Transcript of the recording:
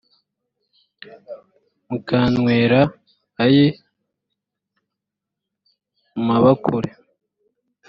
mukanywera ayi mu mabakure